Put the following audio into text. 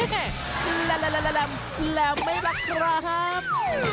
แหละแล้วไม่ลักครับ